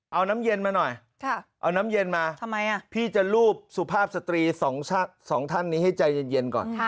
เอาน้ำเย็นมาหน่อยเอาน้ำเย็นมาพี่จะรูปสุภาพสตรีสองท่านนี้ให้ใจเย็นก่อน